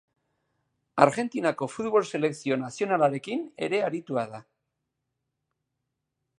Argentinako futbol selekzio nazionalarekin ere aritua da.